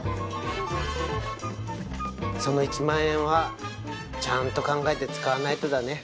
その１万円はちゃんと考えて使わないとだね。